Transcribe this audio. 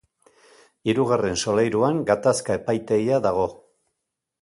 Hirugarren solairuan Gatazka epaitegia dago.